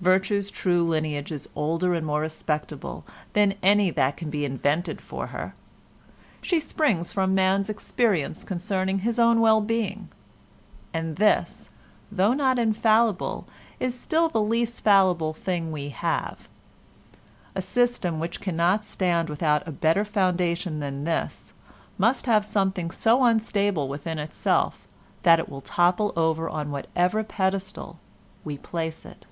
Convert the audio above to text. Virtue's true lineage is older and more respectable than any that can be invented for her. She springs from man's experience concerning his own well being—and this, though not infallible, is still the least fallible thing we have. A system which cannot stand without a better foundation than this must have something so unstable within itself that it will topple over on whatever pedestal we place it.